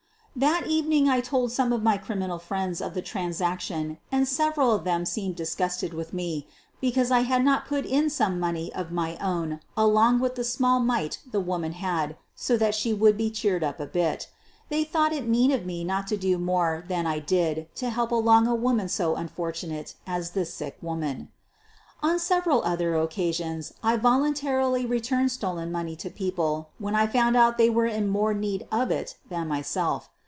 That evening I told some of my criminal friends of the transaction, and several of them seemed dis gusted with me because I had not put in some money of my own along with the small mite the woman had 80 that she would be cheered up a bit. They thought it mean of me not to do more than I did to help along a woman so unfortunate as this sick woman. On several other occasions I voluntarily returned stolen money to people when I found out that they were more in need of it than myself.